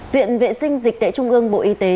viện viện sinh dịch tệ trung ương bộ y tế